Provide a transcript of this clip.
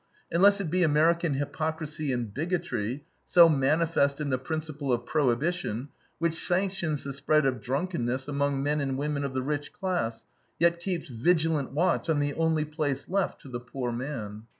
Unless it be American hypocrisy and bigotry, so manifest in the principle of Prohibition, which sanctions the spread of drunkenness among men and women of the rich class, yet keeps vigilant watch on the only place left to the poor man.